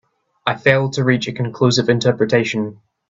I failed to reach a conclusive interpretation.